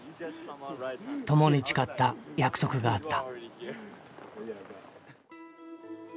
ともに誓った約束があった。